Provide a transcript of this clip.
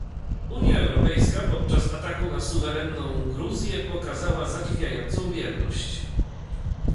Unia Europejska podczas ataku na suwerenną Gruzję pokazała zadziwiającą bierność